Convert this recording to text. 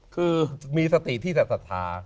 คือมีสติที่จะศรัทธา